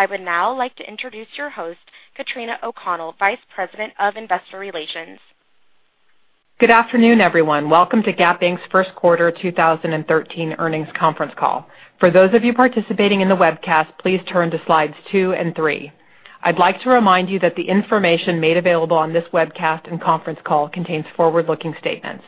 I would now like to introduce your host, Katrina O'Connell, Vice President of Investor Relations. Good afternoon, everyone. Welcome to Gap Inc.'s first quarter 2013 earnings conference call. For those of you participating in the webcast, please turn to slides two and three. I'd like to remind you that the information made available on this webcast and conference call contains forward-looking statements.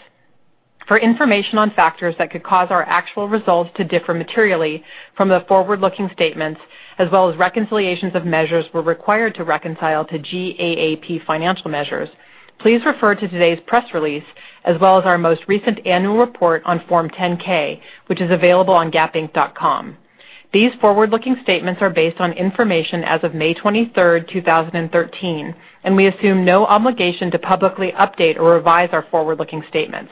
For information on factors that could cause our actual results to differ materially from the forward-looking statements, as well as reconciliations of measures were required to reconcile to GAAP financial measures, please refer to today's press release, as well as our most recent annual report on Form 10-K, which is available on gapinc.com. These forward-looking statements are based on information as of May 23rd, 2013, and we assume no obligation to publicly update or revise our forward-looking statements.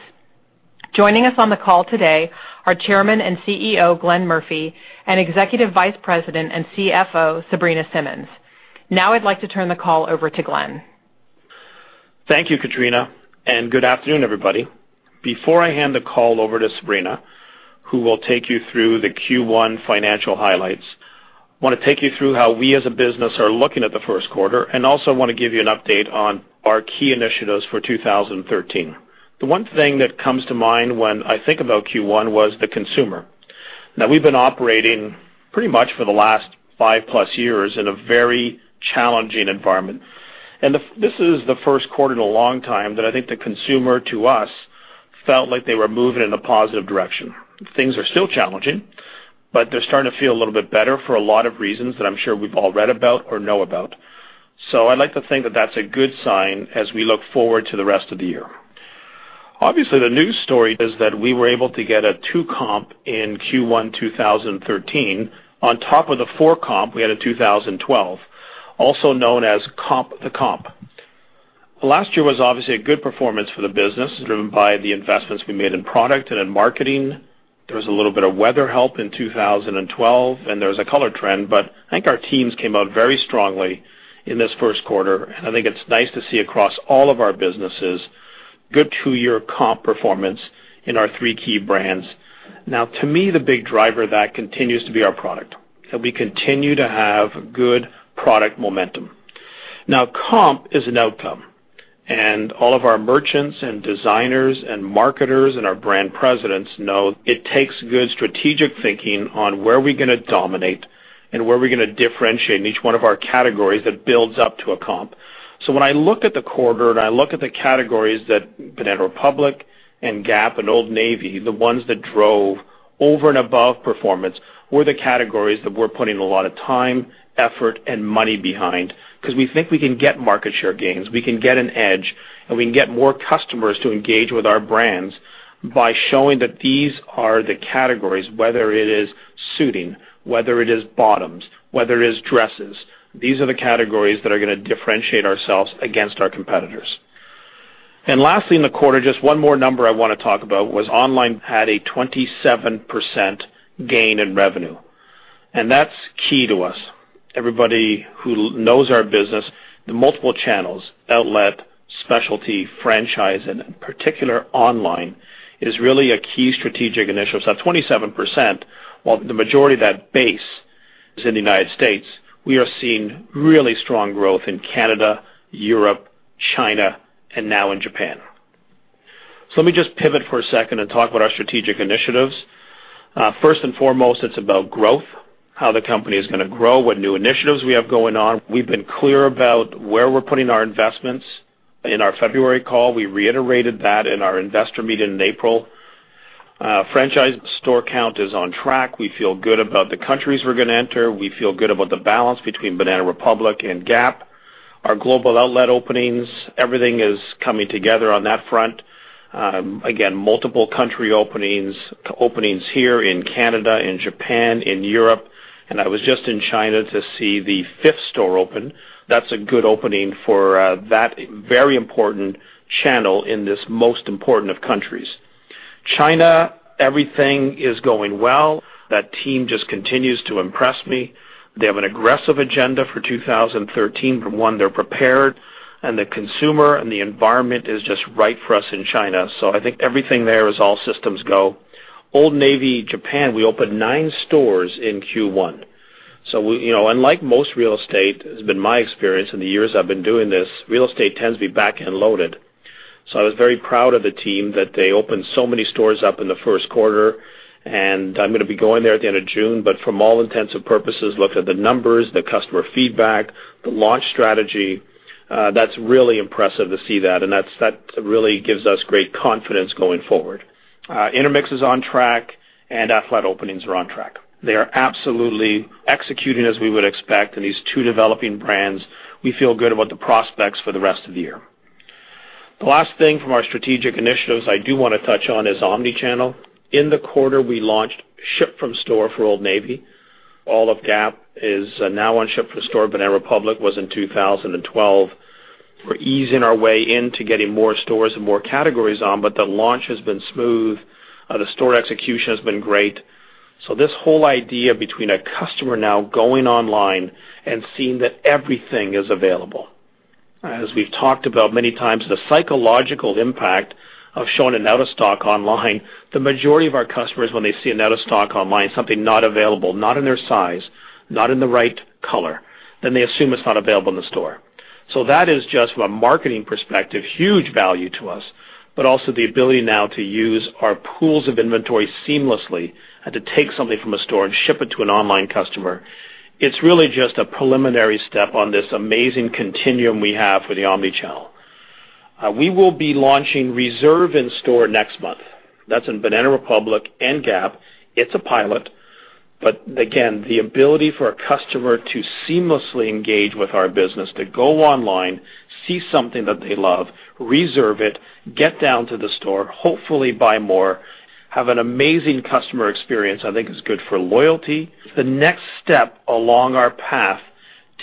Joining us on the call today are Chairman and CEO, Glenn Murphy, and Executive Vice President and CFO, Sabrina Simmons. Now I'd like to turn the call over to Glenn. Thank you, Katrina, and good afternoon, everybody. Before I hand the call over to Sabrina, who will take you through the Q1 financial highlights, I want to take you through how we as a business are looking at the first quarter, and also want to give you an update on our key initiatives for 2013. The one thing that comes to mind when I think about Q1 was the consumer. Now we've been operating pretty much for the last five-plus years in a very challenging environment. This is the first quarter in a long time that I think the consumer, to us, felt like they were moving in a positive direction. Things are still challenging, but they're starting to feel a little bit better for a lot of reasons that I'm sure we've all read about or know about. I'd like to think that that's a good sign as we look forward to the rest of the year. Obviously, the news story is that we were able to get a 2 comp in Q1 2013. On top of the 4 comp we had in 2012, also known as comp the comp. Last year was obviously a good performance for the business, driven by the investments we made in product and in marketing. There was a little bit of weather help in 2012, and there was a color trend. I think our teams came out very strongly in this first quarter, and I think it's nice to see across all of our businesses, good two-year comp performance in our three key brands. To me, the big driver of that continues to be our product. That we continue to have good product momentum. Comp is an outcome, and all of our merchants and designers and marketers and our brand presidents know it takes good strategic thinking on where we're gonna dominate and where we're gonna differentiate in each one of our categories that builds up to a comp. When I look at the quarter and I look at the categories at Banana Republic and Gap and Old Navy, the ones that drove over and above performance were the categories that we're putting a lot of time, effort, and money behind because we think we can get market share gains. We can get an edge, and we can get more customers to engage with our brands by showing that these are the categories, whether it is suiting, whether it is bottoms, whether it is dresses. These are the categories that are gonna differentiate ourselves against our competitors. Lastly in the quarter, just one more number I wanna talk about was online had a 27% gain in revenue, and that's key to us. Everybody who knows our business, the multiple channels, outlet, specialty, franchise, and in particular online, is really a key strategic initiative. Up 27%, while the majority of that base is in the U.S., we are seeing really strong growth in Canada, Europe, China, and now in Japan. Let me just pivot for a second and talk about our strategic initiatives. First and foremost, it's about growth, how the company is gonna grow, what new initiatives we have going on. We've been clear about where we're putting our investments. In our February call, we reiterated that in our investor meeting in April. Franchise store count is on track. We feel good about the countries we're gonna enter. We feel good about the balance between Banana Republic and Gap. Our global outlet openings, everything is coming together on that front. Again, multiple country openings. Openings here in Canada, in Japan, in Europe. I was just in China to see the fifth store open. That's a good opening for that very important channel in this most important of countries. China, everything is going well. That team just continues to impress me. They have an aggressive agenda for 2013. For one, they're prepared, and the consumer and the environment is just right for us in China. I think everything there is all systems go. Old Navy Japan, we opened nine stores in Q1. Unlike most real estate, it's been my experience in the years I've been doing this, real estate tends to be back-end loaded. I was very proud of the team that they opened so many stores up in the first quarter. I'm gonna be going there at the end of June, but from all intents and purposes, looked at the numbers, the customer feedback, the launch strategy. That's really impressive to see that, and that really gives us great confidence going forward. Intermix is on track and Athleta openings are on track. They are absolutely executing as we would expect in these two developing brands. We feel good about the prospects for the rest of the year. The last thing from our strategic initiatives I do want to touch on is omni-channel. In the quarter, we launched ship from store for Old Navy. All of Gap is now on ship from store. Banana Republic was in 2012. We're easing our way into getting more stores and more categories on. The launch has been smooth. The store execution has been great. This whole idea between a customer now going online and seeing that everything is available. As we've talked about many times, the psychological impact of showing an out-of-stock online, the majority of our customers, when they see an out-of-stock online, something not available, not in their size, not in the right color, then they assume it's not available in the store. That is just, from a marketing perspective, huge value to us, but also the ability now to use our pools of inventory seamlessly and to take something from a store and ship it to an online customer. It's really just a preliminary step on this amazing continuum we have for the omni-channel. We will be launching reserve in store next month. That's in Banana Republic and Gap. It's a pilot, but again, the ability for a customer to seamlessly engage with our business, to go online, see something that they love, reserve it, get down to the store, hopefully buy more, have an amazing customer experience, I think is good for loyalty. The next step along our path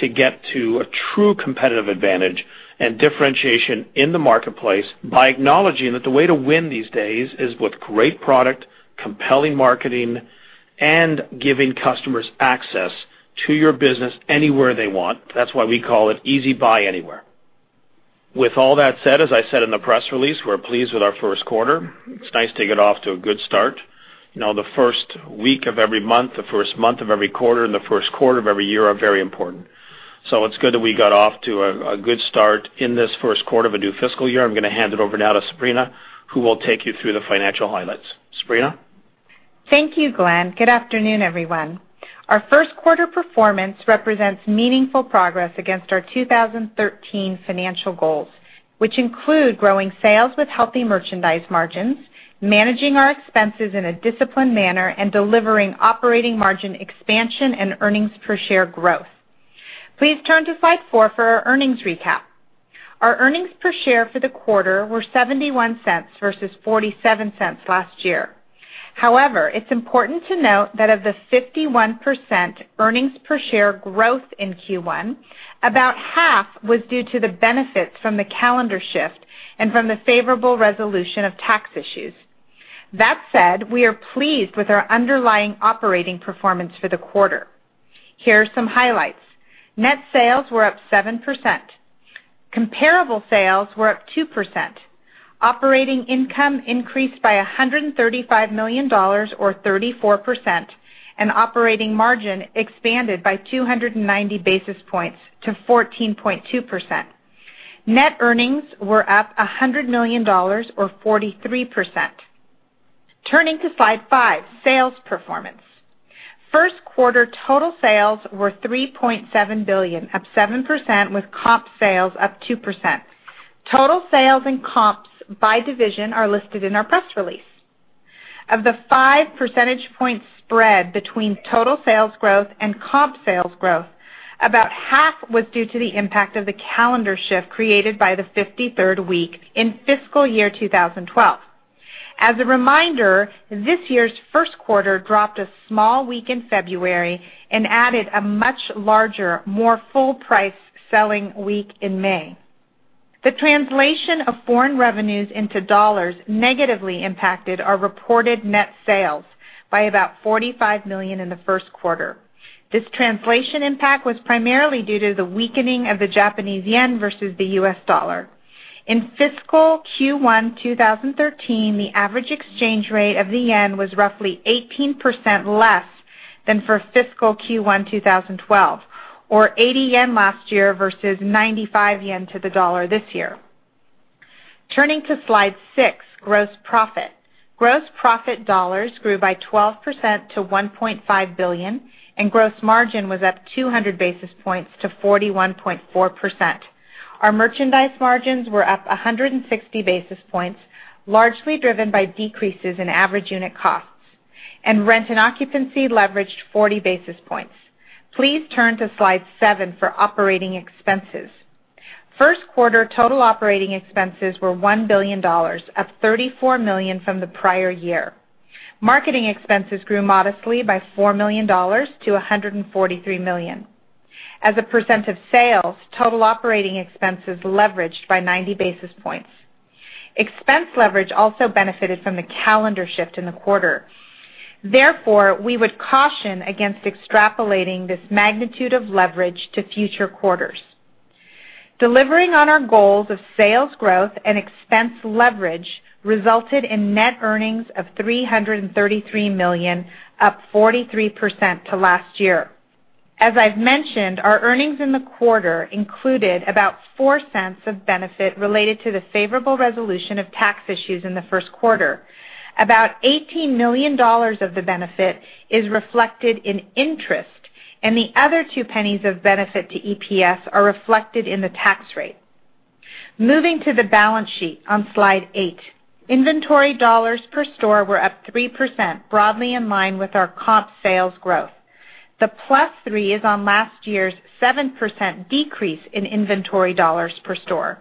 to get to a true competitive advantage and differentiation in the marketplace by acknowledging that the way to win these days is with great product, compelling marketing, and giving customers access to your business anywhere they want. That's why we call it Easy Buy Anywhere. With all that said, as I said in the press release, we're pleased with our first quarter. It's nice to get off to a good start. The first week of every month, the first month of every quarter, and the first quarter of every year are very important. It's good that we got off to a good start in this first quarter of a new fiscal year. I'm going to hand it over now to Sabrina, who will take you through the financial highlights. Sabrina? Thank you, Glenn. Good afternoon, everyone. Our first quarter performance represents meaningful progress against our 2013 financial goals, which include growing sales with healthy merchandise margins, managing our expenses in a disciplined manner, and delivering operating margin expansion and earnings per share growth. Please turn to slide four for our earnings recap. Our earnings per share for the quarter were $0.71 versus $0.47 last year. However, it's important to note that of the 51% earnings per share growth in Q1, about half was due to the benefits from the calendar shift and from the favorable resolution of tax issues. That said, we are pleased with our underlying operating performance for the quarter. Here are some highlights. Net sales were up 7%. Comparable sales were up 2%. Operating income increased by $135 million, or 34%, and operating margin expanded by 290 basis points to 14.2%. Net earnings were up $100 million, or 43%. Turning to slide five, sales performance. First quarter total sales were $3.7 billion, up 7%, with comp sales up 2%. Total sales and comps by division are listed in our press release. Of the five percentage point spread between total sales growth and comp sales growth, about half was due to the impact of the calendar shift created by the 53rd week in fiscal year 2012. As a reminder, this year's first quarter dropped a small week in February and added a much larger, more full-price selling week in May. The translation of foreign revenues into dollars negatively impacted our reported net sales by about $45 million in the first quarter. This translation impact was primarily due to the weakening of the Japanese yen versus the US dollar. In fiscal Q1 2013, the average exchange rate of the yen was roughly 18% less than for fiscal Q1 2012, or 80 yen last year versus 95 yen to the dollar this year. Turning to slide six, gross profit. Gross profit dollars grew by 12% to $1.5 billion, and gross margin was up 200 basis points to 41.4%. Our merchandise margins were up 160 basis points, largely driven by decreases in average unit costs, and rent and occupancy leveraged 40 basis points. Please turn to slide seven for operating expenses. First quarter total operating expenses were $1 billion, up $34 million from the prior year. Marketing expenses grew modestly by $4 million to $143 million. As a percent of sales, total operating expenses leveraged by 90 basis points. Expense leverage also benefited from the calendar shift in the quarter. Therefore, we would caution against extrapolating this magnitude of leverage to future quarters. Delivering on our goals of sales growth and expense leverage resulted in net earnings of $333 million, up 43% to last year. As I've mentioned, our earnings in the quarter included about $0.04 of benefit related to the favorable resolution of tax issues in the first quarter. About [$18 million] of the benefit is reflected in interest, and the other $0.02 of benefit to EPS are reflected in the tax rate. Moving to the balance sheet on slide eight. Inventory dollars per store were up 3%, broadly in line with our comp sales growth. The plus three is on last year's 7% decrease in inventory dollars per store.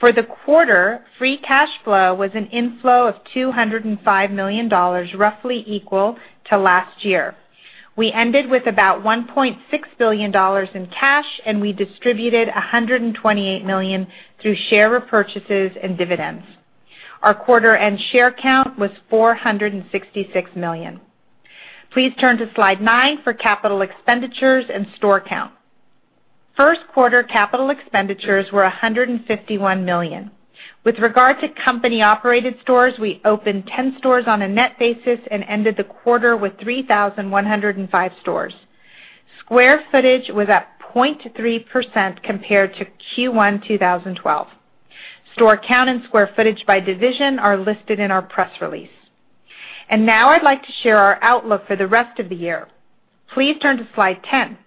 For the quarter, free cash flow was an inflow of $205 million, roughly equal to last year. We ended with about $1.6 billion in cash. We distributed $128 million through share repurchases and dividends. Our quarter-end share count was 466 million. Please turn to slide nine for capital expenditures and store count. First quarter capital expenditures were $151 million. With regard to company-operated stores, we opened 10 stores on a net basis and ended the quarter with 3,105 stores. Square footage was up 0.3% compared to Q1 2012. Store count and square footage by division are listed in our press release. Now I'd like to share our outlook for the rest of the year. Please turn to slide 10.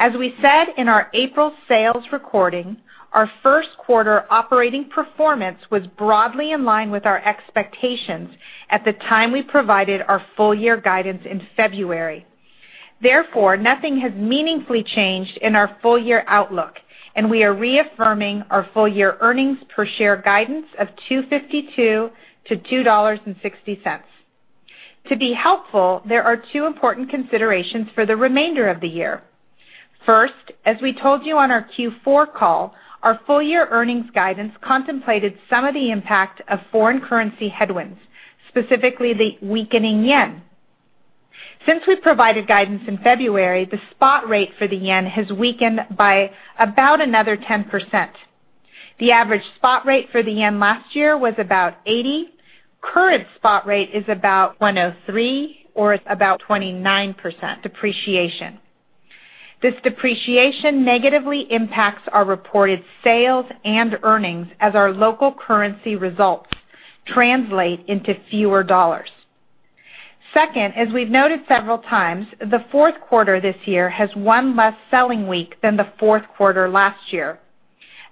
As we said in our April sales recording, our first quarter operating performance was broadly in line with our expectations at the time we provided our full year guidance in February. Therefore, nothing has meaningfully changed in our full year outlook. We are reaffirming our full year earnings per share guidance of $2.52 to $2.60. To be helpful, there are two important considerations for the remainder of the year. First, as we told you on our Q4 call, our full year earnings guidance contemplated some of the impact of foreign currency headwinds, specifically the weakening yen. Since we provided guidance in February, the spot rate for the yen has weakened by about another 10%. The average spot rate for the yen last year was about 80. Current spot rate is about 103, or about 29% depreciation. This depreciation negatively impacts our reported sales and earnings as our local currency results translate into fewer dollars. Second, as we've noted several times, the fourth quarter this year has one less selling week than the fourth quarter last year.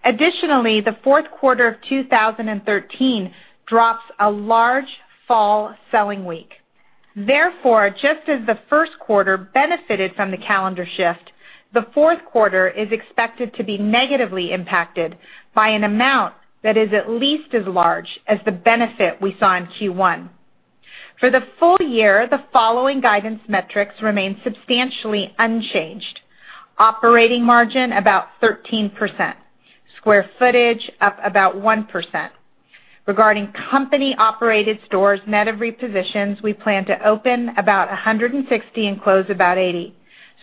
Additionally, the fourth quarter of 2013 drops a large fall selling week. Therefore, just as the first quarter benefited from the calendar shift, the fourth quarter is expected to be negatively impacted by an amount that is at least as large as the benefit we saw in Q1. For the full year, the following guidance metrics remain substantially unchanged. Operating margin, about 13%, square footage up about 1%. Regarding company-operated stores net of repositions, we plan to open about 160 and close about 80.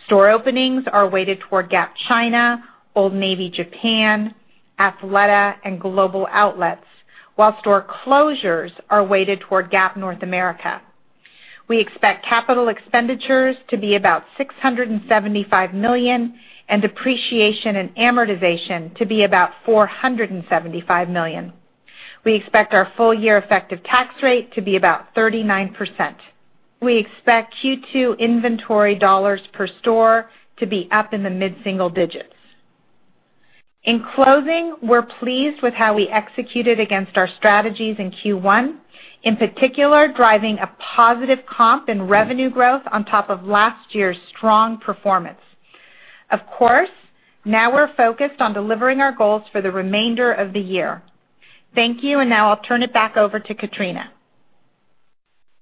Store openings are weighted toward Gap China, Old Navy Japan, Athleta, and global outlets. While store closures are weighted toward Gap North America. We expect capital expenditures to be about $675 million and depreciation and amortization to be about $475 million. We expect our full year effective tax rate to be about 39%. We expect Q2 inventory dollars per store to be up in the mid-single digits. In closing, we're pleased with how we executed against our strategies in Q1, in particular, driving a positive comp in revenue growth on top of last year's strong performance. Of course, now we're focused on delivering our goals for the remainder of the year. Thank you. Now I'll turn it back over to Katrina.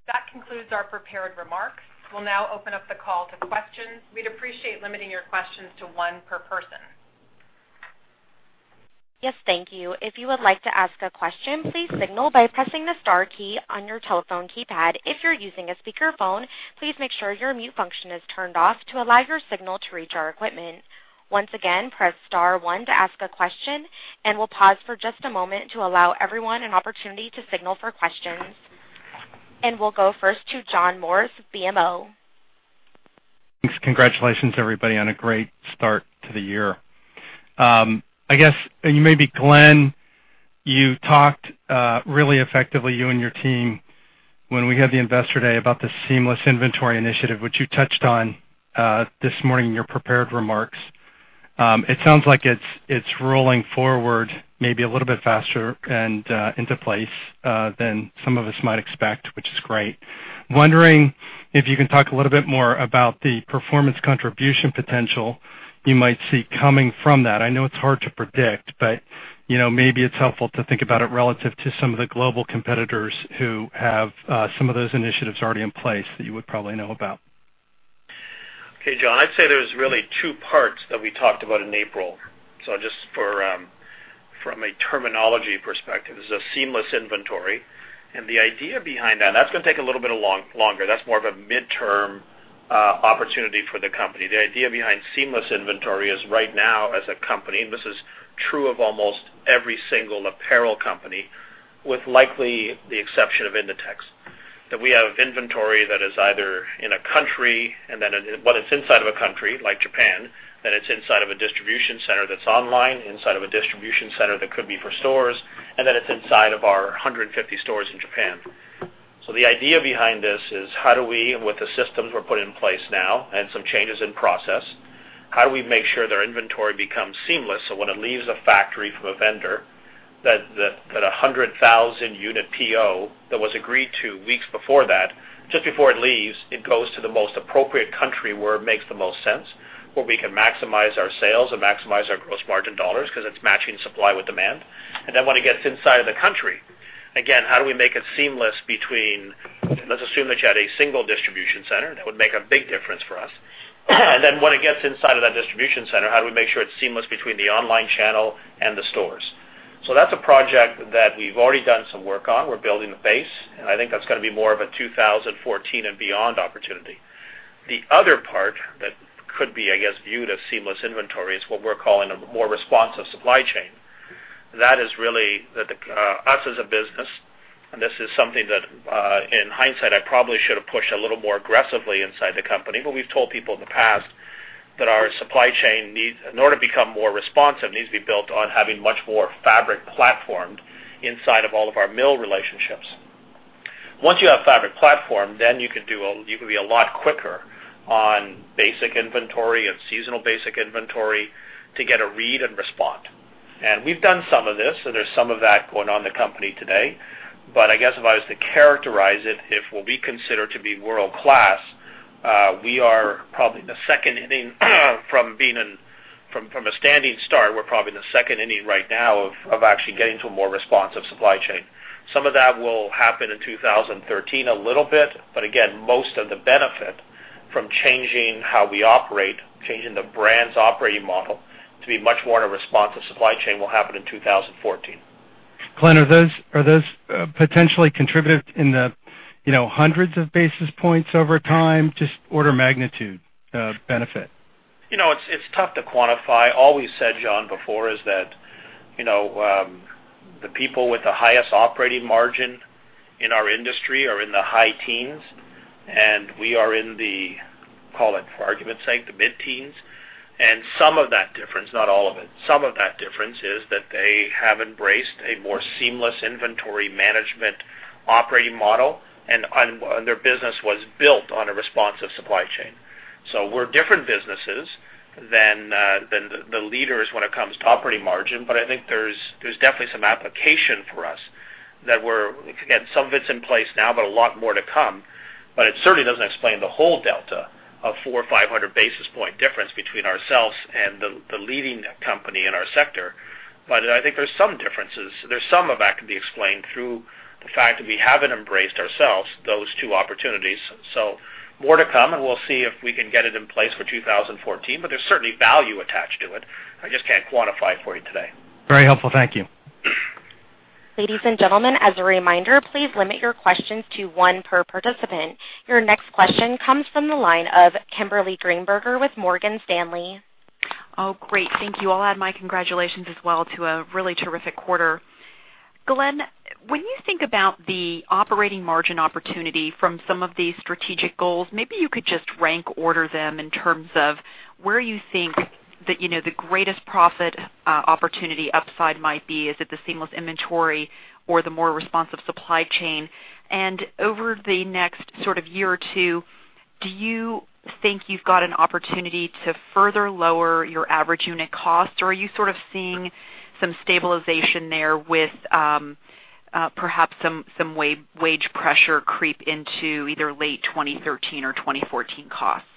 That concludes our prepared remarks. We'll now open up the call to questions. We'd appreciate limiting your questions to one per person. Yes, thank you. If you would like to ask a question, please signal by pressing the star key on your telephone keypad. If you're using a speakerphone, please make sure your mute function is turned off to allow your signal to reach our equipment. Once again, press star one to ask a question, and we'll pause for just a moment to allow everyone an opportunity to signal for questions. We'll go first to John Morris, BMO. Thanks. Congratulations, everybody, on a great start to the year. I guess, maybe Glenn, you talked really effectively, you and your team, when we had the investor day, about the seamless inventory initiative, which you touched on this morning in your prepared remarks. It sounds like it's rolling forward maybe a little bit faster and into place than some of us might expect, which is great. Wondering if you can talk a little bit more about the performance contribution potential you might see coming from that. I know it's hard to predict, but maybe it's helpful to think about it relative to some of the global competitors who have some of those initiatives already in place that you would probably know about. Okay, John. I'd say there's really two parts that we talked about in April. Just from a terminology perspective, this is a seamless inventory. The idea behind that, and that's going to take a little bit longer. That's more of a midterm opportunity for the company. The idea behind seamless inventory is right now as a company, and this is true of almost every single apparel company, with likely the exception of Inditex, that we have inventory that is either in a country, but it's inside of a country like Japan, then it's inside of a distribution center that's online, inside of a distribution center that could be for stores, and then it's inside of our 150 stores in Japan. The idea behind this is with the systems we're putting in place now and some changes in process, how do we make sure their inventory becomes seamless so when it leaves a factory from a vendor, that 100,000 unit PO that was agreed to weeks before that, just before it leaves, it goes to the most appropriate country where it makes the most sense, where we can maximize our sales and maximize our gross margin dollars because it's matching supply with demand. When it gets inside of the country, again, how do we make it seamless between, let's assume that you had a single distribution center, that would make a big difference for us. When it gets inside of that distribution center, how do we make sure it's seamless between the online channel and the stores? That's a project that we've already done some work on. We're building the base, and I think that's going to be more of a 2014 and beyond opportunity. The other part that could be, I guess, viewed as seamless inventory is what we're calling a more responsive supply chain. That is really us as a business, and this is something that, in hindsight, I probably should have pushed a little more aggressively inside the company, but we've told people in the past that our supply chain, in order to become more responsive, needs to be built on having much more fabric platform inside of all of our mill relationships. Once you have fabric platform, you can be a lot quicker on basic inventory and seasonal basic inventory to get a read and respond. We've done some of this, so there's some of that going on in the company today. I guess if I was to characterize it, if what we consider to be world-class, we are probably in the second inning from a standing start. We're probably in the second inning right now of actually getting to a more responsive supply chain. Some of that will happen in 2013 a little bit, but again, most of the benefit from changing how we operate, changing the brand's operating model to be much more in a responsive supply chain will happen in 2014. Glenn, are those potentially contributive in the hundreds of basis points over time? Just order magnitude benefit. It's tough to quantify. All we've said, John, before is that the people with the highest operating margin in our industry are in the high teens, and we are in the, call it for argument's sake, the mid-teens. Some of that difference, not all of it, some of that difference is that they have embraced a more seamless inventory management operating model, and their business was built on a responsive supply chain. We're different businesses than the leaders when it comes to operating margin, but I think there's definitely some application for us that we're, again, some of it's in place now, but a lot more to come. It certainly doesn't explain the whole delta of 400 or 500 basis point difference between ourselves and the leading company in our sector. I think there's some differences. There's some of that can be explained through the fact that we haven't embraced ourselves, those two opportunities. More to come, and we'll see if we can get it in place for 2014, but there's certainly value attached to it. I just can't quantify it for you today. Very helpful. Thank you. Ladies and gentlemen, as a reminder, please limit your questions to one per participant. Your next question comes from the line of Kimberly Greenberger with Morgan Stanley. Oh, great. Thank you. I'll add my congratulations as well to a really terrific quarter. Glenn, when you think about the operating margin opportunity from some of these strategic goals, maybe you could just rank order them in terms of where you think that the greatest profit opportunity upside might be. Is it the seamless inventory or the more responsive supply chain? Over the next sort of year or two, do you think you've got an opportunity to further lower your average unit cost, or are you sort of seeing some stabilization there with perhaps some wage pressure creep into either late 2013 or 2014 costs?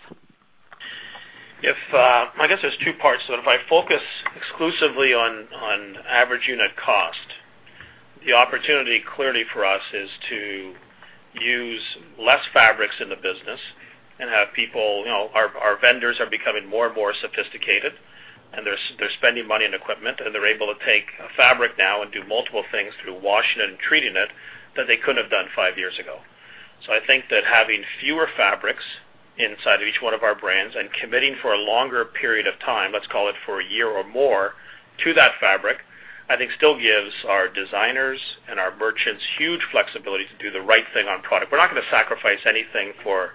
I guess there's two parts to it. If I focus exclusively on average unit cost, the opportunity clearly for us is to use less fabrics in the business. Our vendors are becoming more and more sophisticated, and they're spending money on equipment, and they're able to take a fabric now and do multiple things through washing and treating it that they couldn't have done five years ago. I think that having fewer fabrics inside of each one of our brands and committing for a longer period of time, let's call it for a year or more, to that fabric, I think still gives our designers and our merchants huge flexibility to do the right thing on product. We're not going to sacrifice anything for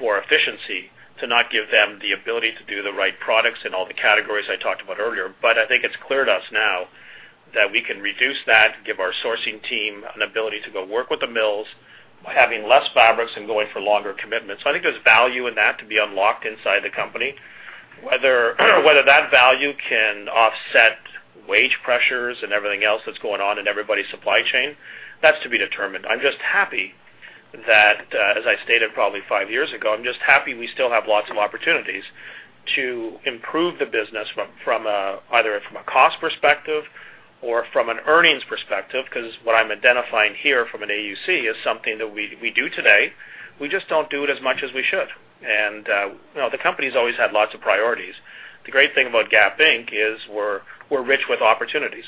efficiency to not give them the ability to do the right products in all the categories I talked about earlier. I think it's clear to us now that we can reduce that, give our sourcing team an ability to go work with the mills by having less fabrics and going for longer commitments. I think there's value in that to be unlocked inside the company. Whether that value can offset wage pressures and everything else that's going on in everybody's supply chain, that's to be determined. I'm just happy that, as I stated probably five years ago, I'm just happy we still have lots of opportunities to improve the business either from a cost perspective or from an earnings perspective, because what I'm identifying here from an AUC is something that we do today. We just don't do it as much as we should. The company's always had lots of priorities. The great thing about Gap Inc. is we're rich with opportunities.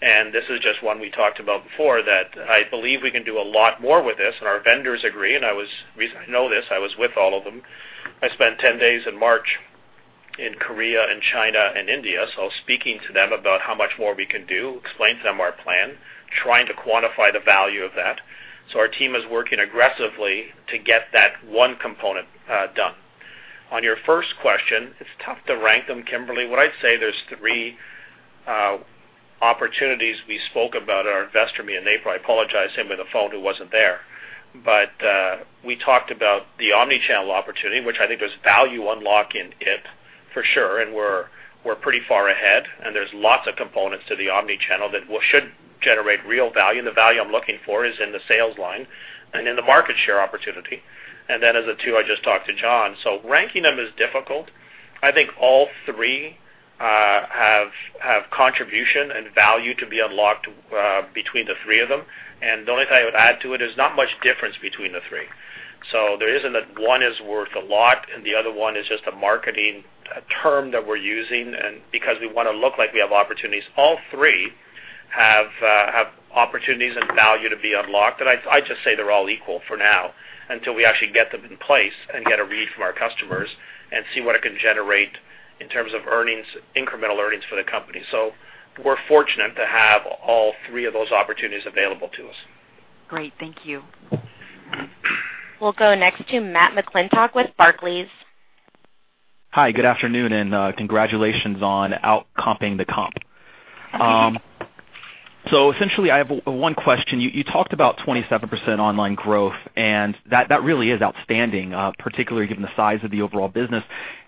This is just one we talked about before that I believe we can do a lot more with this, and our vendors agree, and the reason I know this, I was with all of them. I spent 10 days in March in Korea and China and India, I was speaking to them about how much more we can do, explain to them our plan, trying to quantify the value of that. Our team is working aggressively to get that one component done. On your first question, it's tough to rank them, Kimberly. What I'd say, there's three opportunities we spoke about at our investor meeting in April. I apologize, some on the phone who wasn't there. We talked about the omni-channel opportunity, which I think there's value unlock in it for sure, and we're pretty far ahead, and there's lots of components to the omni-channel that should generate real value, and the value I'm looking for is in the sales line and in the market share opportunity. As the two I just talked to John. Ranking them is difficult. I think all three have contribution and value to be unlocked between the three of them. The only thing I would add to it, there's not much difference between the three. There isn't that one is worth a lot, and the other one is just a marketing term that we're using because we want to look like we have opportunities. All three have opportunities and value to be unlocked. I'd just say they're all equal for now until we actually get them in place and get a read from our customers and see what it can generate in terms of incremental earnings for the company. We're fortunate to have all three of those opportunities available to us. Great. Thank you. We'll go next to Matthew McClintock with Barclays. Hi, good afternoon, and congratulations on out-comping the comp. Thank you. Essentially, I have one question. You talked about 27% online growth, and that really is outstanding, particularly given the size of the overall business.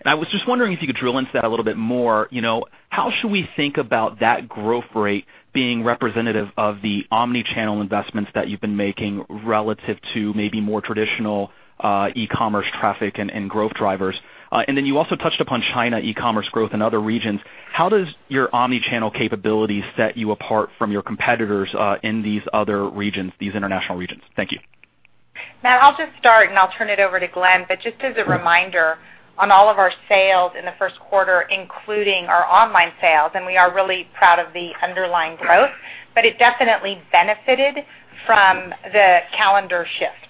I was just wondering if you could drill into that a little bit more. How should we think about that growth rate being representative of the omni-channel investments that you've been making relative to maybe more traditional e-commerce traffic and growth drivers? You also touched upon China e-commerce growth and other regions. How does your omni-channel capability set you apart from your competitors in these other regions, these international regions? Thank you. Matt, I'll just start, and I'll turn it over to Glenn. Just as a reminder, on all of our sales in the first quarter, including our online sales, and we are really proud of the underlying growth, but it definitely benefited from the calendar shift.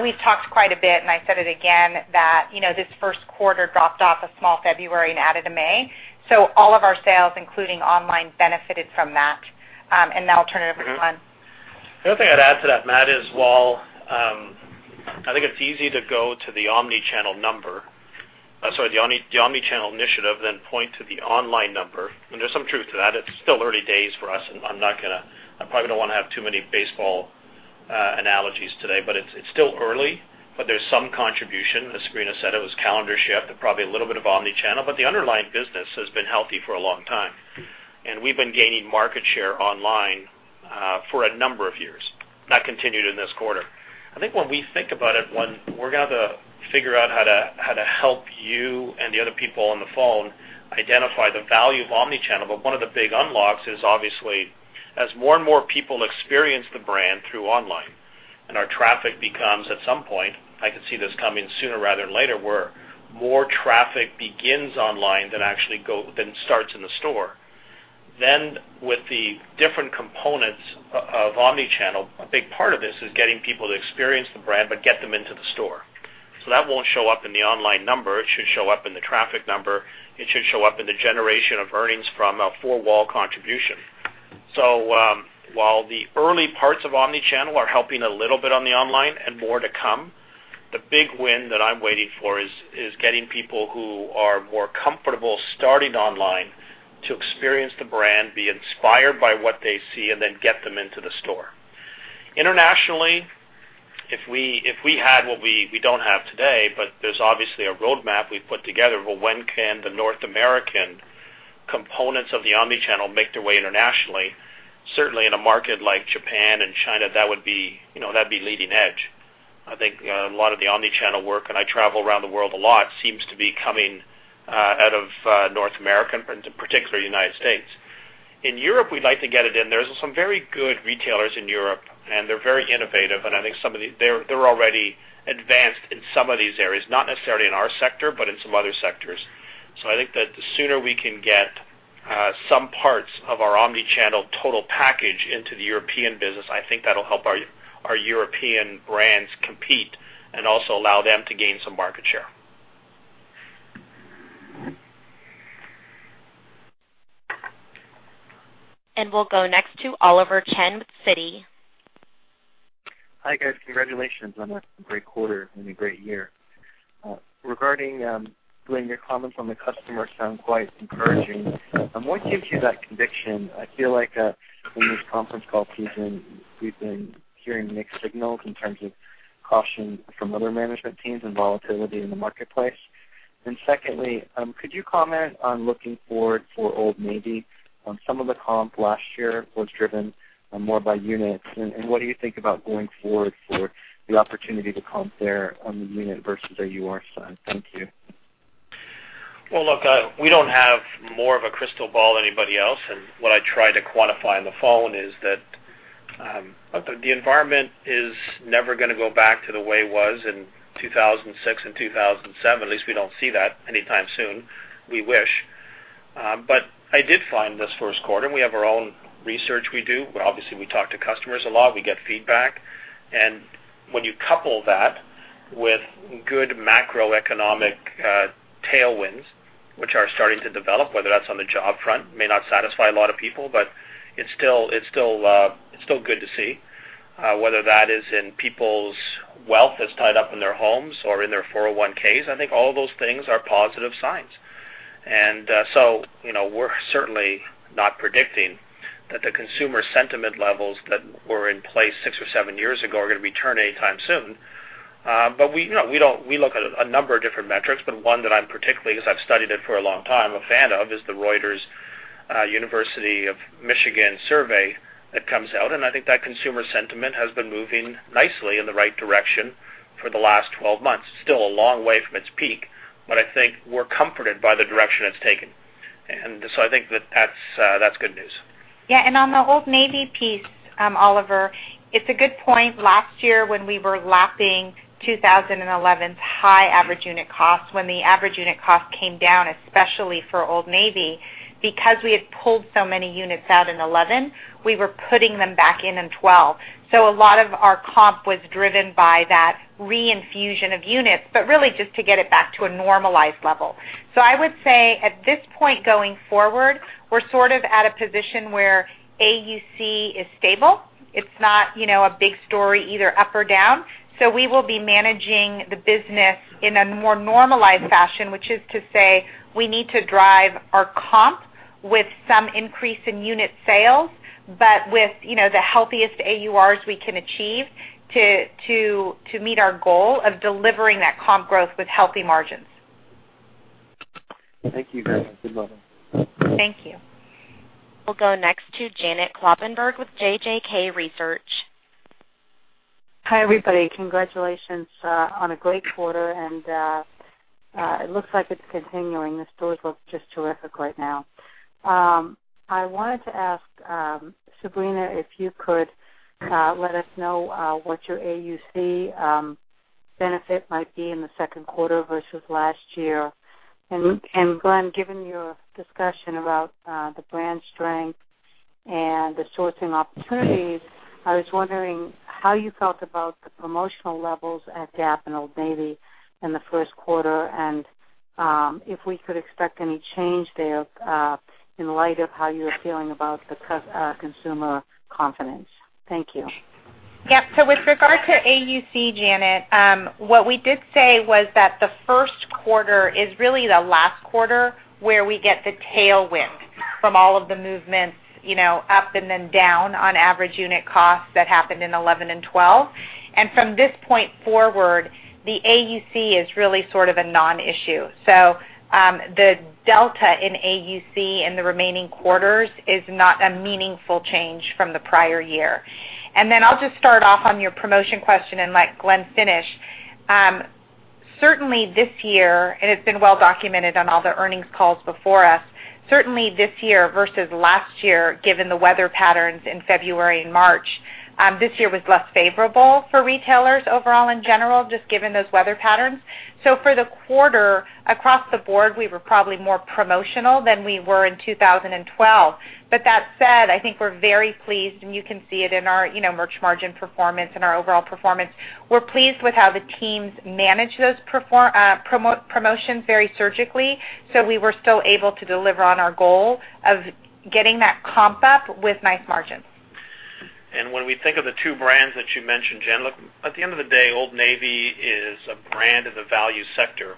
We've talked quite a bit, and I said it again, that this first quarter dropped off a small February and added a May. All of our sales, including online, benefited from that. Now I'll turn it over to Glenn. The only thing I'd add to that, Matt, is while I think it's easy to go to the omni-channel initiative, then point to the online number, and there's some truth to that. It's still early days for us, and I probably don't want to have too many baseball analogies today, but it's still early, but there's some contribution. As Sabrina said, it was calendar shift and probably a little bit of omni-channel, but the underlying business has been healthy for a long time, and we've been gaining market share online for a number of years. That continued in this quarter. I think when we think about it, when we're going to have to figure out how to help you and the other people on the phone identify the value of omni-channel. One of the big unlocks is obviously as more and more people experience the brand through online, and our traffic becomes at some point, I could see this coming sooner rather than later, where more traffic begins online than starts in the store. With the different components of omni-channel, a big part of this is getting people to experience the brand but get them into the store. That won't show up in the online number. It should show up in the traffic number. It should show up in the generation of earnings from a four-wall contribution. While the early parts of omni-channel are helping a little bit on the online and more to come, the big win that I'm waiting for is getting people who are more comfortable starting online to experience the brand, be inspired by what they see, and then get them into the store. Internationally, if we had what we don't have today, but there's obviously a roadmap we've put together. Well, when can the North American components of the omni-channel make their way internationally? Certainly, in a market like Japan and China, that'd be leading edge. I think a lot of the omni-channel work, and I travel around the world a lot, seems to be coming out of North America, and in particular, United States. In Europe, we'd like to get it in. There's some very good retailers in Europe, and they're very innovative, and I think they're already advanced in some of these areas, not necessarily in our sector, but in some other sectors. I think that the sooner we can get some parts of our omni-channel total package into the European business, I think that'll help our European brands compete and also allow them to gain some market share. We'll go next to Oliver Chen with Citigroup. Hi, guys. Congratulations on a great quarter and a great year. Regarding, Glenn, your comments on the customer sound quite encouraging. What gives you that conviction? I feel like in this conference call season, we've been hearing mixed signals in terms of caution from other management teams and volatility in the marketplace. Secondly, could you comment on looking forward for Old Navy? Some of the comp last year was driven more by units. What do you think about going forward for the opportunity to comp there on the unit versus AUR? Thank you. Well, look, we don't have more of a crystal ball than anybody else, what I try to quantify in the following is that the environment is never going to go back to the way it was in 2006 and 2007. At least we don't see that anytime soon. We wish. I did find this first quarter, we have our own research we do. Obviously, we talk to customers a lot. We get feedback. When you couple that with good macroeconomic tailwinds, which are starting to develop, whether that's on the job front, may not satisfy a lot of people, but it's still good to see. Whether that is in people's wealth that's tied up in their homes or in their 401(k)s, I think all those things are positive signs. We're certainly not predicting that the consumer sentiment levels that were in place six or seven years ago are going to return anytime soon. We look at a number of different metrics, but one that I'm particularly, because I've studied it for a long time, a fan of, is the Reuters University of Michigan survey that comes out, I think that consumer sentiment has been moving nicely in the right direction for the last 12 months. Still a long way from its peak, but I think we're comforted by the direction it's taken. I think that that's good news. Yeah, on the Old Navy piece, Oliver, it's a good point. Last year, when we were lapping 2011's high average unit cost, when the average unit cost came down, especially for Old Navy, because we had pulled so many units out in 2011, we were putting them back in in 2012. A lot of our comp was driven by that re-infusion of units, but really just to get it back to a normalized level. I would say at this point going forward, we're sort of at a position where AUC is stable. It's not a big story either up or down. We will be managing the business in a more normalized fashion, which is to say we need to drive our comp with some increase in unit sales, but with the healthiest AURs we can achieve to meet our goal of delivering that comp growth with healthy margins. Thank you very much. Good luck. Thank you. We'll go next to Janet Kloppenburg with JJK Research. Hi, everybody. Congratulations on a great quarter. It looks like it's continuing. The stores look just terrific right now. I wanted to ask Sabrina, if you could let us know what your AUC benefit might be in the second quarter versus last year. Glenn, given your discussion about the brand strength and the sourcing opportunities, I was wondering how you felt about the promotional levels at Gap and Old Navy in the first quarter, and if we could expect any change there in light of how you are feeling about the consumer confidence. Thank you. Yeah. With regard to AUC, Janet, what we did say was that the first quarter is really the last quarter where we get the tailwind from all of the movements up and then down on average unit costs that happened in 2011 and 2012. From this point forward, the AUC is really sort of a non-issue. The delta in AUC in the remaining quarters is not a meaningful change from the prior year. Then I'll just start off on your promotion question and let Glenn finish. Certainly, this year, it's been well documented on all the earnings calls before us. Certainly, this year versus last year, given the weather patterns in February and March, this year was less favorable for retailers overall in general, just given those weather patterns. For the quarter, across the board, we were probably more promotional than we were in 2012. That said, I think we're very pleased. You can see it in our merch margin performance and our overall performance. We're pleased with how the teams managed those promotions very surgically. We were still able to deliver on our goal of getting that comp up with nice margins. When we think of the two brands that you mentioned, Janet, look, at the end of the day, Old Navy is a brand in the value sector.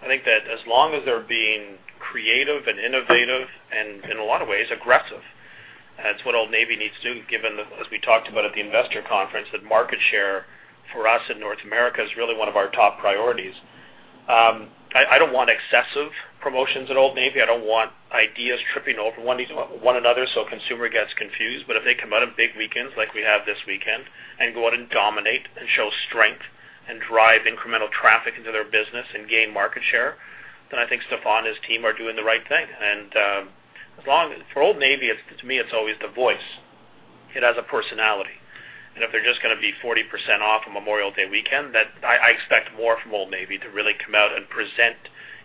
I think that as long as they're being creative and innovative and, in a lot of ways, aggressive, that's what Old Navy needs to do, given, as we talked about at the investor conference, that market share for us in North America is really one of our top priorities. I don't want excessive promotions at Old Navy. I don't want ideas tripping over one another so a consumer gets confused. If they come out on big weekends, like we have this weekend, and go out and dominate and show strength and drive incremental traffic into their business and gain market share, then I think Stefan and his team are doing the right thing. For Old Navy, to me, it's always the voice. It has a personality. If they're just going to be 40% off on Memorial Day weekend, I expect more from Old Navy to really come out and present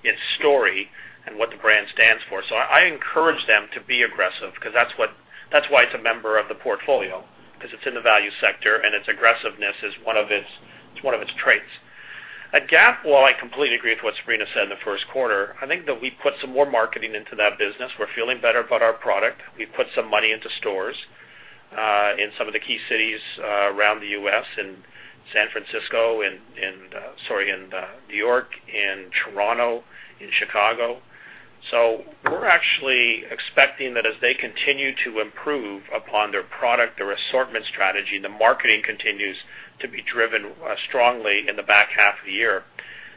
its story and what the brand stands for. I encourage them to be aggressive because that's why it's a member of the portfolio, because it's in the value sector, and its aggressiveness is one of its traits. At Gap, while I completely agree with what Sabrina said in the first quarter, I think that we put some more marketing into that business. We're feeling better about our product. We put some money into stores in some of the key cities around the U.S., in San Francisco in New York, in Toronto, in Chicago. We're actually expecting that as they continue to improve upon their product, their assortment strategy, the marketing continues to be driven strongly in the back half of the year.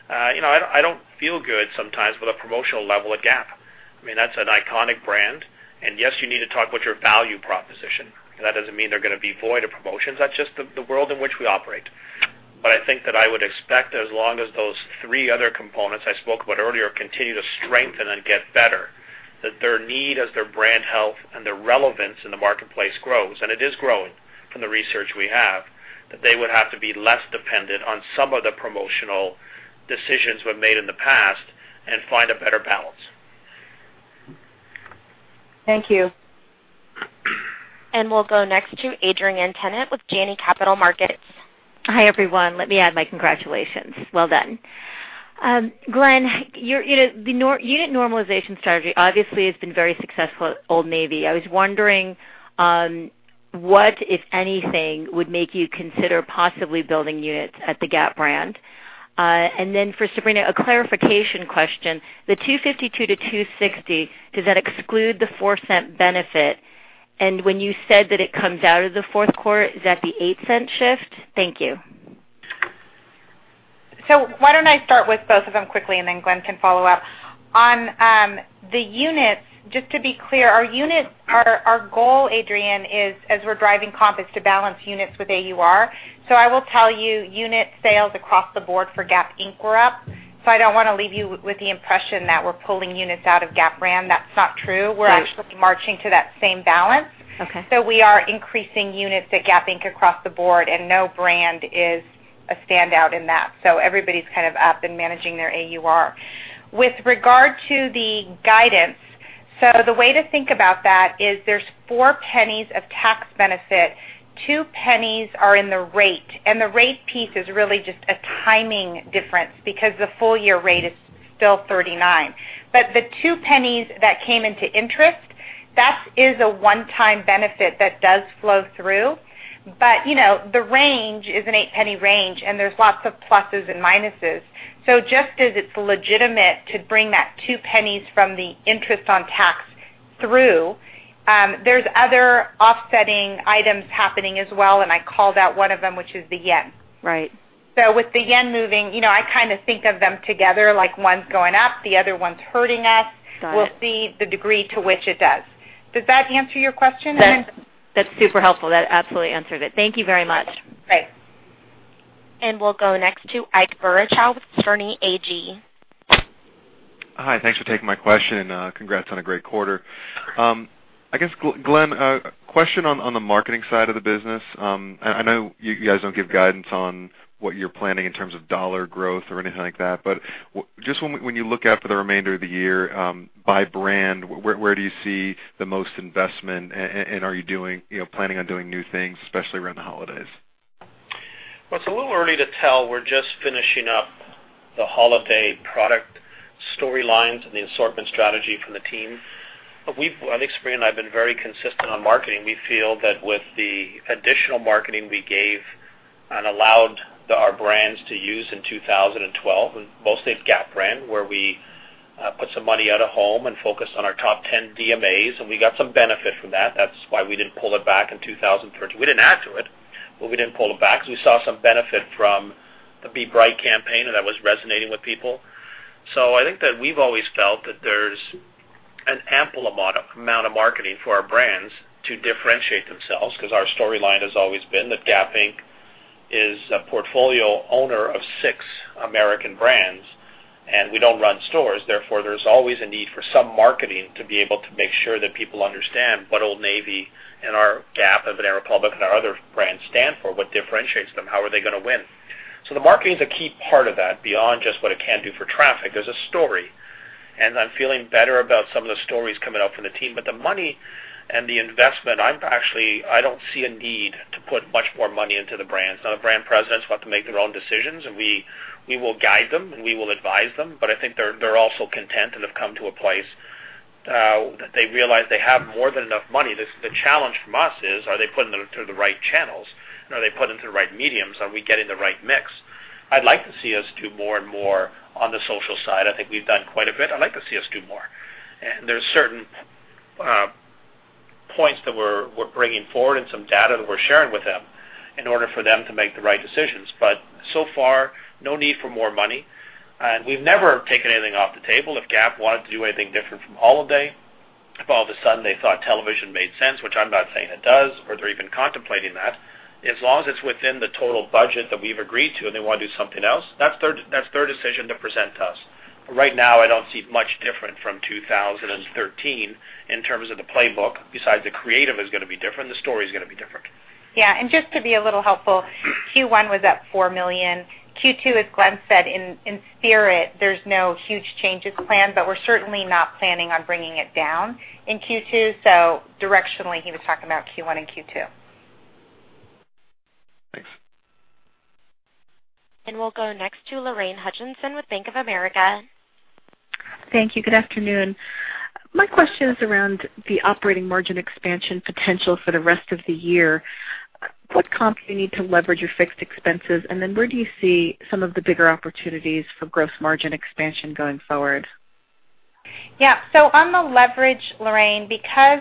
I don't feel good sometimes with a promotional level at Gap. That's an iconic brand. Yes, you need to talk about your value proposition. That doesn't mean they're going to be void of promotions. That's just the world in which we operate. I think that I would expect as long as those three other components I spoke about earlier continue to strengthen and get better, that their need as their brand health and their relevance in the marketplace grows, and it is growing from the research we have, that they would have to be less dependent on some of the promotional decisions were made in the past and find a better balance. Thank you. We'll go next to Adrienne Tennant with Janney Montgomery Scott. Hi, everyone. Let me add my congratulations. Well done. Glenn, your unit normalization strategy obviously has been very successful at Old Navy. I was wondering what, if anything, would make you consider possibly building units at the Gap brand. For Sabrina, a clarification question. The 252-260, does that exclude the $0.04 benefit? When you said that it comes out of the fourth quarter, is that the $0.08 shift? Thank you. Why don't I start with both of them quickly, and then Glenn can follow up. On the units, just to be clear, our goal, Adrienne, is as we're driving comp is to balance units with AUR. I will tell you, unit sales across the board for Gap Inc. were up. I don't want to leave you with the impression that we're pulling units out of Gap brand. That's not true. Right. We're actually marching to that same balance. Okay. We are increasing units at Gap Inc. across the board, and no brand is a standout in that. Everybody's up and managing their AUR. With regard to the guidance, the way to think about that is there's $0.04 of tax benefit. $0.02 are in the rate, and the rate piece is really just a timing difference because the full-year rate is still 39%. The $0.02 that came into interest, that is a one-time benefit that does flow through. The range is an $0.08 range, and there's lots of pluses and minuses. Just as it's legitimate to bring that $0.02 from the interest on tax through, there's other offsetting items happening as well, and I called out one of them, which is the yen. Right. With the yen moving, I think of them together like one's going up, the other one's hurting us. Got it. We'll see the degree to which it does. Does that answer your question? That's super helpful. That absolutely answered it. Thank you very much. Great. We'll go next to Ike Boruchow with Sterne Agee. Hi, thanks for taking my question, and congrats on a great quarter. I guess, Glenn, a question on the marketing side of the business. I know you guys don't give guidance on what you're planning in terms of dollar growth or anything like that. Just when you look out for the remainder of the year by brand, where do you see the most investment, and are you planning on doing new things, especially around the holidays? Well, it's a little early to tell. We're just finishing up the holiday product storylines and the assortment strategy from the team. We, Seth Sigman and I, have been very consistent on marketing. We feel that with the additional marketing we gave and allowed our brands to use in 2012, and mostly with Gap brand, where we put some money out of home and focused on our top 10 DMAs, and we got some benefit from that. That's why we didn't pull it back in 2013. We didn't add to it, but we didn't pull it back because we saw some benefit from the Be Bright campaign, and that was resonating with people. I think that we've always felt that there's an ample amount of marketing for our brands to differentiate themselves because our storyline has always been that Gap Inc. We are a portfolio owner of six American brands, and we don't run stores. Therefore, there's always a need for some marketing to be able to make sure that people understand what Old Navy and our Gap, Banana Republic, and our other brands stand for, what differentiates them, how are they going to win. The marketing is a key part of that. Beyond just what it can do for traffic, there's a story, and I'm feeling better about some of the stories coming out from the team. The money and the investment, I don't see a need to put much more money into the brands. Now, the brand presidents want to make their own decisions, and we will guide them, we will advise them. I think they're also content and have come to a place that they realize they have more than enough money. The challenge from us is, are they putting them to the right channels? Are they putting them to the right mediums? Are we getting the right mix? I'd like to see us do more and more on the social side. I think we've done quite a bit. I'd like to see us do more. There's certain points that we're bringing forward and some data that we're sharing with them in order for them to make the right decisions. So far, no need for more money. We've never taken anything off the table. If Gap wanted to do anything different from holiday, if all of a sudden they thought television made sense, which I'm not saying it does, or they're even contemplating that, as long as it's within the total budget that we've agreed to and they want to do something else, that's their decision to present to us. Right now, I don't see much different from 2013 in terms of the playbook. Besides, the creative is going to be different, the story is going to be different. Yeah. Just to be a little helpful, Q1 was up $4 million. Q2, as Glenn said, in spirit, there's no huge changes planned, we're certainly not planning on bringing it down in Q2. Directionally, he was talking about Q1 and Q2. Thanks. We'll go next to Lorraine Hutchinson with Bank of America. Thank you. Good afternoon. My question is around the operating margin expansion potential for the rest of the year. What comp do you need to leverage your fixed expenses, and then where do you see some of the bigger opportunities for gross margin expansion going forward? Yeah. On the leverage, Lorraine, because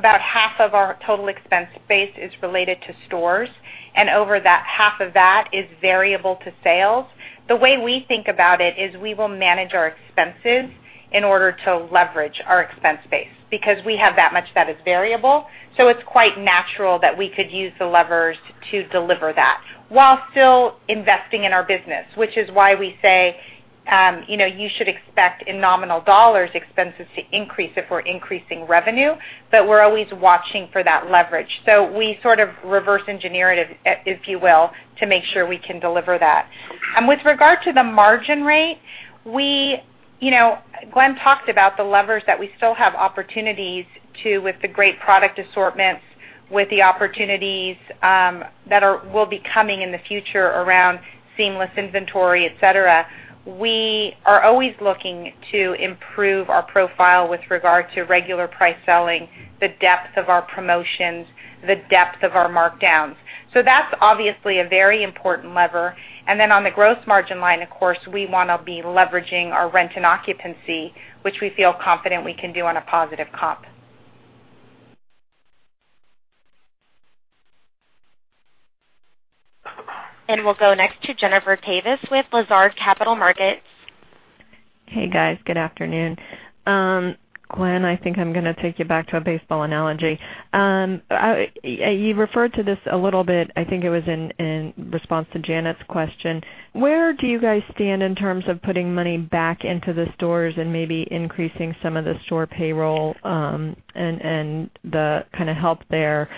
about half of our total expense base is related to stores and over half of that is variable to sales, the way we think about it is we will manage our expenses in order to leverage our expense base because we have that much that is variable. It's quite natural that we could use the levers to deliver that while still investing in our business, which is why we say you should expect in nominal dollars expenses to increase if we're increasing revenue, but we're always watching for that leverage. We sort of reverse engineer it, if you will, to make sure we can deliver that. With regard to the margin rate, Glenn talked about the levers that we still have opportunities to, with the great product assortments, with the opportunities that will be coming in the future around seamless inventory, et cetera. We are always looking to improve our profile with regard to regular price selling, the depth of our promotions, the depth of our markdowns. That's obviously a very important lever. Then on the gross margin line, of course, we want to be leveraging our rent and occupancy, which we feel confident we can do on a positive comp. We'll go next to Jennifer Davis with Lazard Capital Markets. Hey, guys. Good afternoon. Glenn, I think I'm going to take you back to a baseball analogy. You referred to this a little bit, I think it was in response to Janet's question. Where do you guys stand in terms of putting money back into the stores and maybe increasing some of the store payroll, and the kind of help there?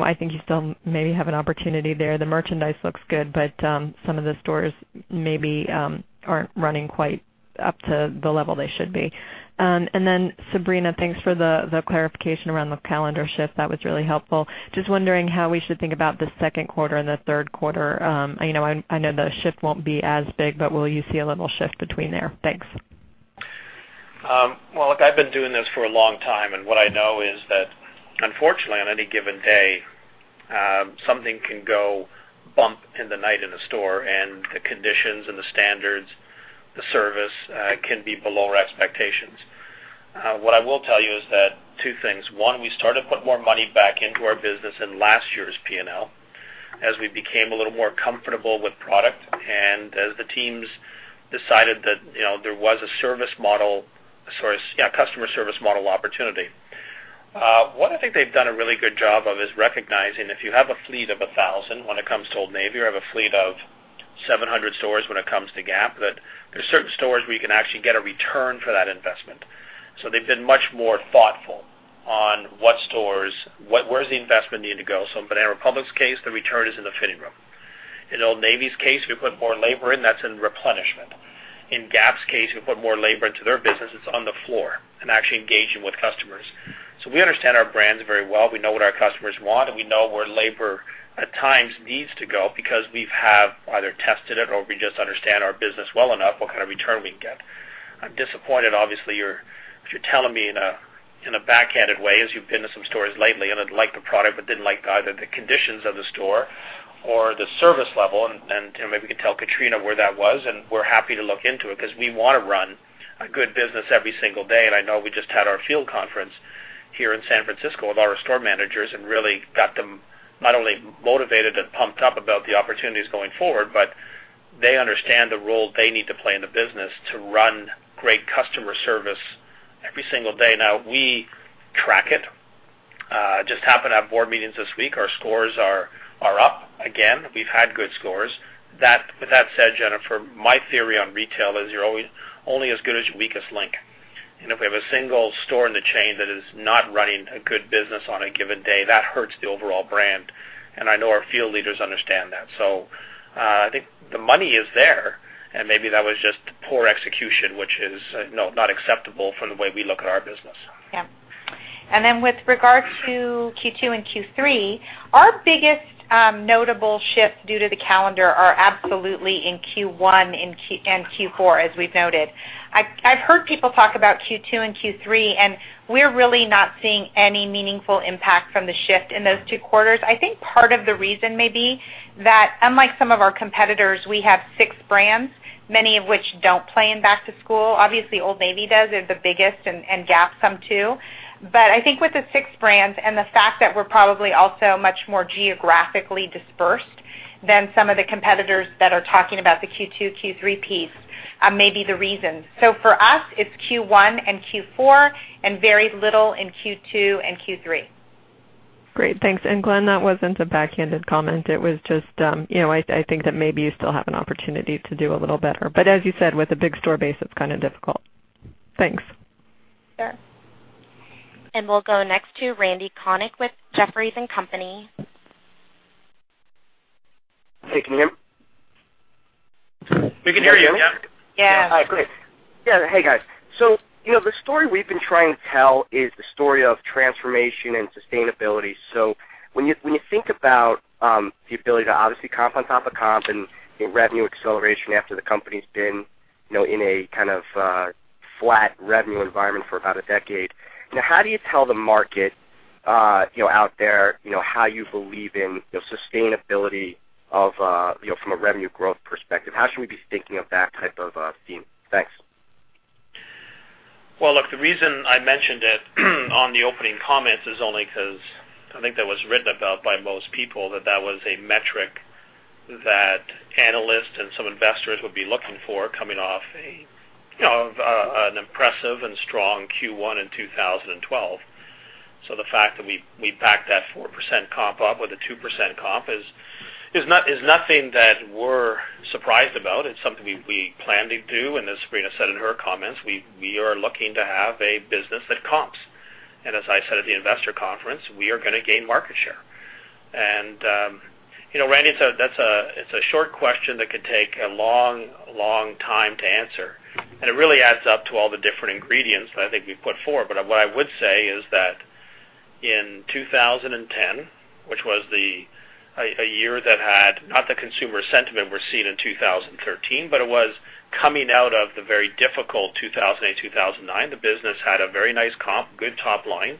I think you still maybe have an opportunity there. The merchandise looks good, but some of the stores maybe aren't running quite up to the level they should be. Sabrina, thanks for the clarification around the calendar shift. That was really helpful. Just wondering how we should think about the second quarter and the third quarter. I know the shift won't be as big, but will you see a little shift between there? Thanks. Look, I've been doing this for a long time, and what I know is that unfortunately, on any given day, something can go bump in the night in a store, and the conditions and the standards, the service can be below our expectations. What I will tell you is that two things. One, we started to put more money back into our business in last year's P&L as we became a little more comfortable with product and as the teams decided that there was a customer service model opportunity. One, I think they've done a really good job of is recognizing if you have a fleet of 1,000 when it comes to Old Navy, or have a fleet of 700 stores when it comes to Gap, that there are certain stores where you can actually get a return for that investment. They've been much more thoughtful on where does the investment need to go. In Banana Republic's case, the return is in the fitting room. In Old Navy's case, we put more labor in, that's in replenishment. In Gap's case, we put more labor into their business. It's on the floor and actually engaging with customers. We understand our brands very well. We know what our customers want, and we know where labor at times needs to go because we've either tested it or we just understand our business well enough, what kind of return we can get. I'm disappointed, obviously, if you're telling me in a backhanded way, as you've been to some stores lately and had liked the product but didn't like either the conditions of the store or the service level, and maybe you could tell Katrina where that was, and we're happy to look into it because we want to run a good business every single day. I know we just had our field conference here in San Francisco with our store managers and really got them not only motivated and pumped up about the opportunities going forward, but they understand the role they need to play in the business to run great customer service every single day. Now we track it. Just happened to have board meetings this week. Our scores are up again. We've had good scores. With that said, Jennifer, my theory on retail is you're only as good as your weakest link. If we have a single store in the chain that is not running a good business on a given day, that hurts the overall brand. I know our field leaders understand that. I think the money is there, and maybe that was just poor execution, which is not acceptable from the way we look at our business. Yeah. With regard to Q2 and Q3, our biggest notable shifts due to the calendar are absolutely in Q1 and Q4, as we've noted. I've heard people talk about Q2 and Q3, and we're really not seeing any meaningful impact from the shift in those two quarters. I think part of the reason may be that unlike some of our competitors, we have six brands, many of which don't play in back to school. Obviously, Old Navy does. They're the biggest, and Gap some too. I think with the six brands and the fact that we're probably also much more geographically dispersed than some of the competitors that are talking about the Q2, Q3 piece, may be the reason. For us, it's Q1 and Q4 and very little in Q2 and Q3. Great. Thanks. Glenn, that wasn't a backhanded comment. It was just I think that maybe you still have an opportunity to do a little better. As you said, with a big store base, it's kind of difficult. Thanks. Sure. We'll go next to Randal Konik with Jefferies & Company. Hey, can you hear me? We can hear you, yeah. Yeah. All right, great. Yeah. Hey, guys. The story we've been trying to tell is the story of transformation and sustainability. When you think about the ability to obviously comp on comp and revenue acceleration after the company's been in a kind of flat revenue environment for about a decade, how do you tell the market out there how you believe in sustainability from a revenue growth perspective? How should we be thinking of that type of theme? Thanks. Look, the reason I mentioned it on the opening comments is only because I think that was written about by most people, that that was a metric that analysts and some investors would be looking for coming off an impressive and strong Q1 in 2012. The fact that we backed that 4% comp up with a 2% comp is nothing that we're surprised about. It's something we plan to do. As Sabrina said in her comments, we are looking to have a business that comps. As I said at the investor conference, we are going to gain market share. Randy, it's a short question that could take a long time to answer, and it really adds up to all the different ingredients that I think we've put forward. What I would say is that in 2010, which was a year that had not the consumer sentiment we're seeing in 2013, but it was coming out of the very difficult 2008, 2009. The business had a very nice comp, good top line,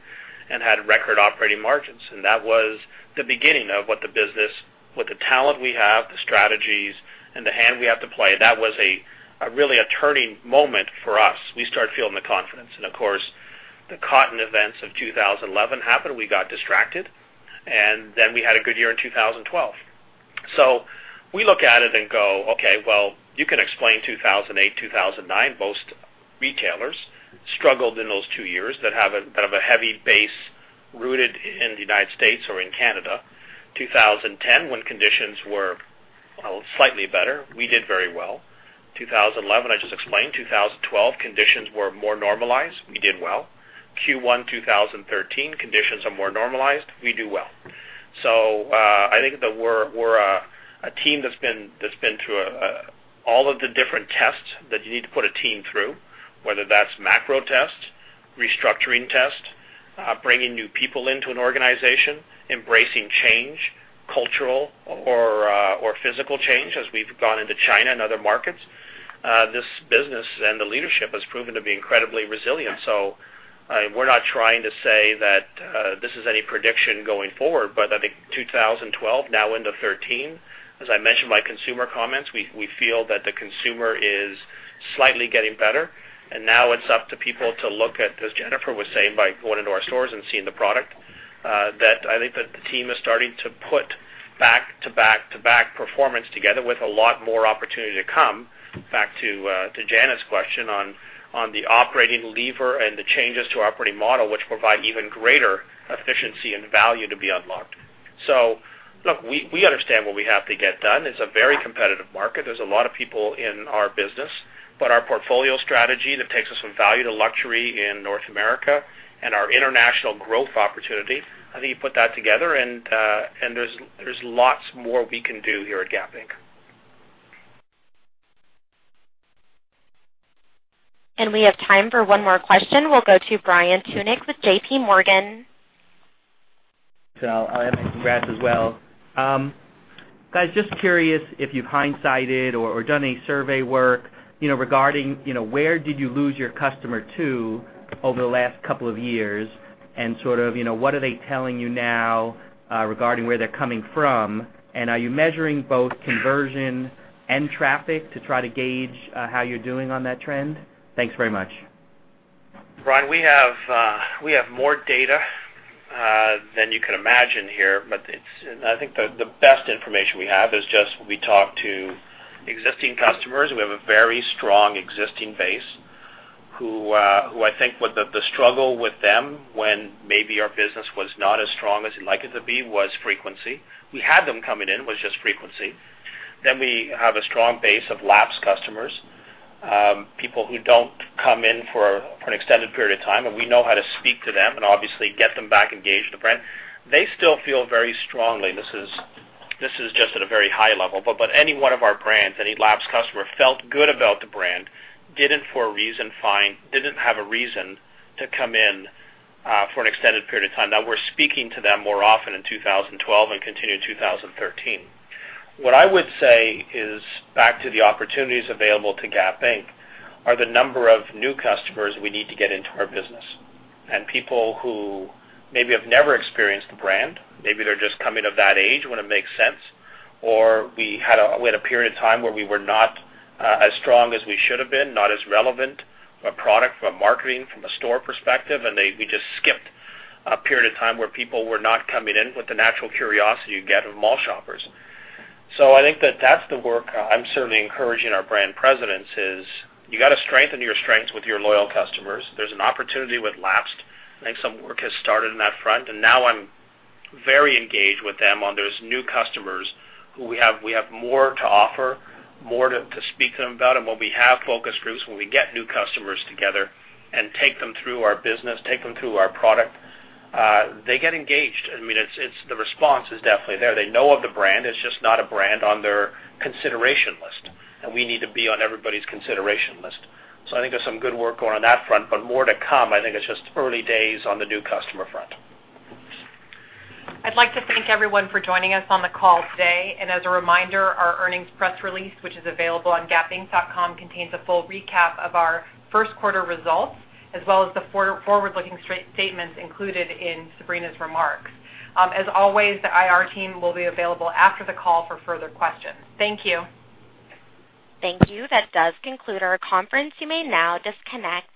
and had record operating margins. That was the beginning of what the business, with the talent we have, the strategies, and the hand we have to play. That was a really a turning moment for us. We start feeling the confidence and of course, the cotton events of 2011 happened. We got distracted, we had a good year in 2012. We look at it and go, "Okay, well, you can explain 2008, 2009." Most retailers struggled in those two years that have a bit of a heavy base rooted in the United States or in Canada. 2010, when conditions were slightly better, we did very well. 2011, I just explained. 2012, conditions were more normalized. We did well. Q1 2013, conditions are more normalized. We do well. I think that we're a team that's been to all of the different tests that you need to put a team through, whether that's macro test, restructuring test, bringing new people into an organization, embracing change, cultural or physical change as we've gone into China and other markets. This business and the leadership has proven to be incredibly resilient. We're not trying to say that this is any prediction going forward, but I think 2012, now into 2013, as I mentioned, my consumer comments, we feel that the consumer is slightly getting better, and now it's up to people to look at, as Jennifer was saying, by going into our stores and seeing the product, that I think that the team is starting to put back to back to back performance together with a lot more opportunity to come. Back to Janet's question on the operating lever and the changes to operating model, which provide even greater efficiency and value to be unlocked. Look, we understand what we have to get done. It's a very competitive market. There's a lot of people in our business, but our portfolio strategy that takes us from value to luxury in North America and our international growth opportunity, I think you put that together, and there's lots more we can do here at Gap Inc. We have time for one more question. We'll go to Brian Tunick with J.P. Morgan. I'll add my congrats as well. Guys, just curious if you've hindsighted or done any survey work regarding where did you lose your customer to over the last couple of years and sort of what are they telling you now regarding where they're coming from, and are you measuring both conversion and traffic to try to gauge how you're doing on that trend? Thanks very much. Brian, we have more data than you can imagine here, but I think the best information we have is just we talk to existing customers. We have a very strong existing base who I think what the struggle with them when maybe our business was not as strong as you'd like it to be, was frequency. We had them coming in. It was just frequency. We have a strong base of lapsed customers. People who don't come in for an extended period of time, and we know how to speak to them and obviously get them back engaged in the brand. They still feel very strongly. This is just at a very high level, but any one of our brands, any lapsed customer felt good about the brand, didn't have a reason to come in for an extended period of time. Now we're speaking to them more often in 2012 and continue in 2013. What I would say is back to the opportunities available to Gap Inc., are the number of new customers we need to get into our business. People who maybe have never experienced the brand, maybe they're just coming of that age when it makes sense, or we had a period of time where we were not as strong as we should've been, not as relevant, from a product, from a marketing, from a store perspective, and we just skipped a period of time where people were not coming in with the natural curiosity you get of mall shoppers. I think that that's the work I'm certainly encouraging our brand presidents is you got to strengthen your strengths with your loyal customers. There's an opportunity with lapsed. I think some work has started on that front, now I'm very engaged with them on those new customers who we have more to offer, more to speak to them about. When we have focus groups, when we get new customers together and take them through our business, take them through our product, they get engaged. The response is definitely there. They know of the brand. It's just not a brand on their consideration list, and we need to be on everybody's consideration list. I think there's some good work going on that front, but more to come. I think it's just early days on the new customer front. I'd like to thank everyone for joining us on the call today. As a reminder, our earnings press release, which is available on gapinc.com, contains a full recap of our first quarter results, as well as the forward-looking statements included in Sabrina's remarks. As always, the IR team will be available after the call for further questions. Thank you. Thank you. That does conclude our conference. You may now disconnect.